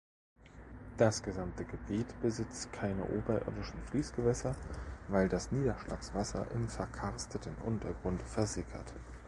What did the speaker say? Das gesamte Gebiet besitzt keine oberirdischen Fließgewässer, weil das Niederschlagswasser im verkarsteten Untergrund versickert.